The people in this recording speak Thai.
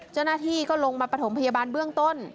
เจ้าหน้าที่ก็ลงมาปฐมพยาบาลเบื้องต้น